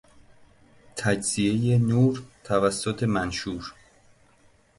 تجزیهی نور توسط منشور